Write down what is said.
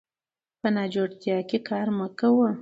په ناجوړتيا کې کار مه کوه